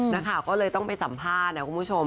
นักข่าวก็เลยต้องไปสัมภาษณ์นะคุณผู้ชม